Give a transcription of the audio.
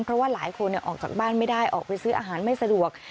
เพราะว่าหลายคนออกจากบ้านไม่ได้ออกไปซื้ออาหารไม่สะดวก